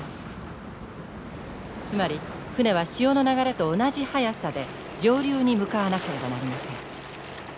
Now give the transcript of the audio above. つまり船は潮の流れと同じ速さで上流に向かわなければなりません。